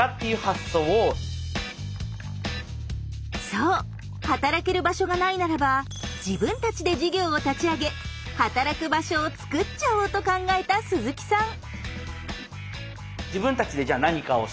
そう働ける場所がないならば自分たちで事業を立ち上げ働く場所をつくっちゃおうと考えた鈴木さん。